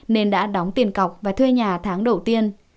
nên đã đóng tiền cọc và thuê nhà tháng đầu tiên